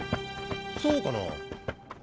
そうかなぁ。